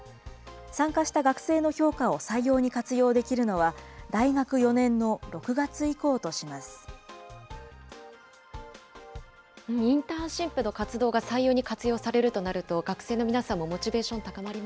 参加した学生の評価を採用に活用できるのは、大学４年の６月以降インターンシップの活動が採用に活用されるとなると、学生の皆さんもモチベーション高まり